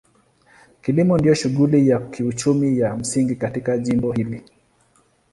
Kilimo ndio shughuli ya kiuchumi ya msingi katika jimbo hili.